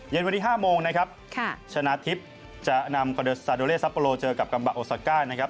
เย็นวันนี้๕โมงนะครับชนะทิพย์จะนำคอนเตอร์ซาโดเลซัปโปโลเจอกับกัมบาโอซาก้านะครับ